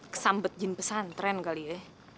kesambet jin pesantren kali ya